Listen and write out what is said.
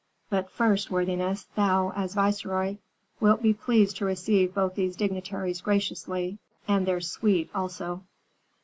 But first, worthiness, thou, as viceroy, wilt be pleased to receive both these dignitaries graciously, and their suite also."